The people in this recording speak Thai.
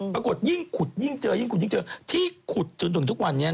ปรากฏยิ่งขุดยิ่งเจอที่ขุดจนถึงทุกวันนี้นะ